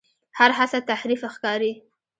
هر هڅه تحریف ښکاري.